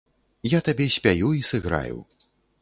Я табе спяю і сыграю.